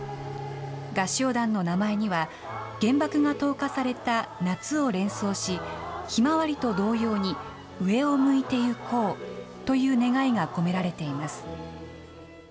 合唱団の名前には、原爆が投下された夏を連想し、ひまわりと同様に、上を向いてゆこうという願いが込められています。